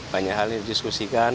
banyak hal yang didiskusikan